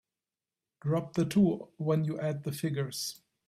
Drop the two when you add the figures.